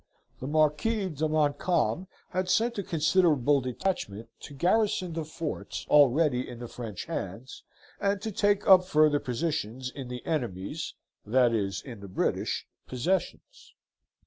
The Marquis de Montcalm had sent a considerable detachment to garrison the forts already in the French hands, and to take up further positions in the enemy's that is, in the British possessions.